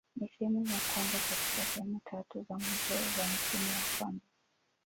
Ni sehemu ya kwanza katika sehemu tatu za mwisho za msimu wa kwanza.